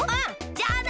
じゃあな！